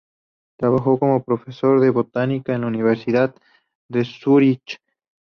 Trabajó como profesor de botánica en la Universidad de Zúrich.